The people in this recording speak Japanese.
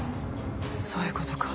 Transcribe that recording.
そういうことか。